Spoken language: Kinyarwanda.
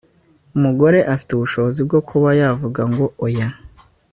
umugore afite ubushobozi bwo kuba yavuga ngo oya